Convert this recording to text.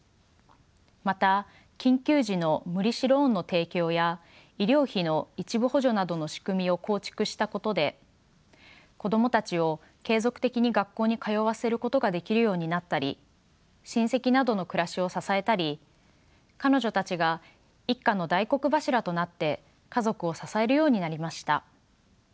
また緊急時の無利子ローンの提供や医療費の一部補助などの仕組みを構築したことで子供たちを継続的に学校に通わせることができるようになったり親戚などの暮らしを支えたり彼女たちが一家の大黒柱となって家族を支えるようになりました。